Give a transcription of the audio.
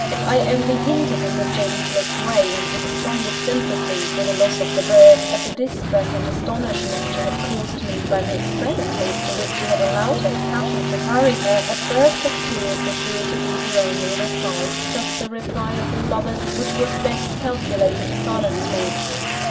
If I only hinted in the gentlest way, and with the strongest sympathy for the loss of the bird, at the distress and astonishment she had caused me by the extremities to which she had allowed her passion to hurry her, a burst of tears was sure to be her only reply just the reply, of all others, which was best calculated to silence me.